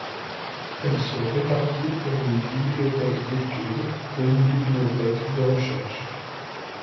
Elle se répartit en une bibliothèque d'étude et une bibliothèque de recherche.